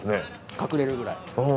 隠れるくらい。